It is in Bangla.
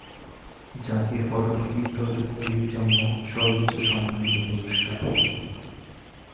জাতীয় পদকটি প্রযুক্তির জন্য সর্বোচ্চ সম্মানিত পুরস্কার।